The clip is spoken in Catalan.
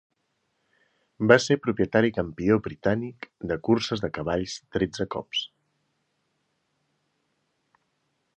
Va ser propietari campió britànic de curses de cavalls tretze cops.